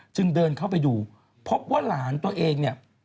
จึงเดินเข้าไปดูพบว่าหลานตัวเองเนี่ย